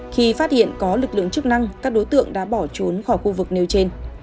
khi phát hiện có lực lượng chức năng các đối tượng đã bỏ trốn khỏi khu vực nêu trên